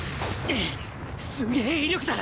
すげぇ威力だ！